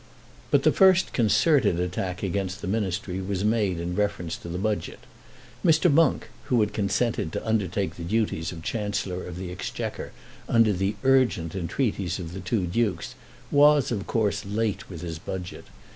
But the first concerted attack against the Ministry was made in reference to the budget. Mr. Monk, who had consented to undertake the duties of Chancellor of the Exchequer under the urgent entreaties of the two dukes, was of course late with his budget.